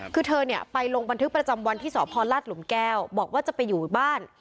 คือเธอเนี่ยไปลงบันทึกประจำวันที่สพลาดหลุมแก้วบอกว่าจะไปอยู่บ้าน